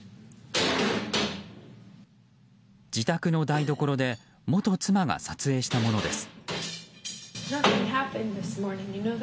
自宅の台所で元妻が撮影したものです。